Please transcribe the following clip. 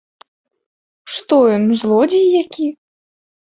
Што ён, злодзей які?